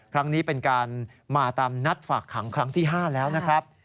ครั้งนี้เป็นการมาตามนัดฝากขังครั้งที่๕แล้วนะครับ